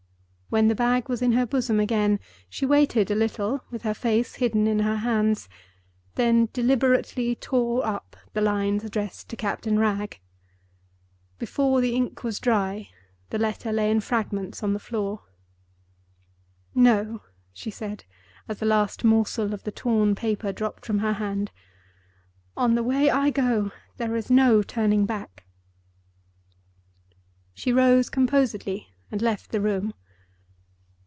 When the bag was in her bosom again, she waited a little, with her face hidden in her hands, then deliberately tore up the lines addressed to Captain Wragge. Before the ink was dry, the letter lay in fragments on the floor. "No!" she said, as the last morsel of the torn paper dropped from her hand. "On the way I go there is no turning back." She rose composedly and left the room.